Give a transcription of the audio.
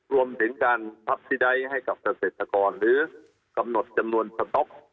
รวมถึงการพับซีไดท์ให้กับเกษตรกรหรือกำหนดจำนวนสต๊อก